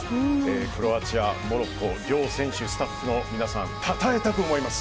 クロアチア、モロッコ両選手、スタッフの皆さんをたたえたく思います。